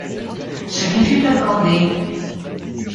Ce qui fut accordé.